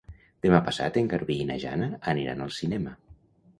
Demà passat en Garbí i na Jana aniran al cinema.